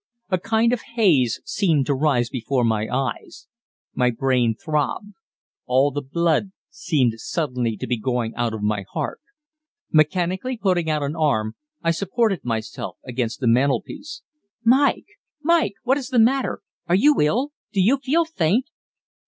A kind of haze seemed to rise before my eyes. My brain throbbed. All the blood seemed suddenly to be going out of my heart. Mechanically putting out an arm, I supported myself against the mantelpiece. "Mike! Mike! What is the matter? Are you ill? do you feel faint?"